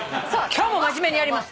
今日も真面目にやります。